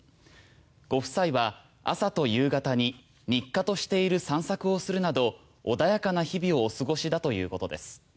ご夫妻は朝と夕方に日課としている散策をするなど穏やかな日々をお過ごしだということです。